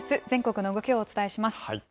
全国の動きをお伝えします。